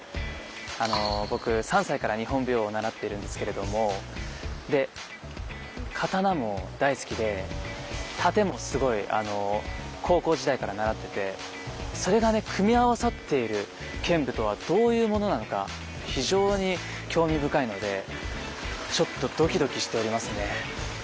あの僕３歳から日本舞踊を習っているんですけれどもで刀も大好きで殺陣もすごい高校時代から習っててそれがね組み合わさっている剣舞とはどういうものなのか非常に興味深いのでちょっとドキドキしておりますね。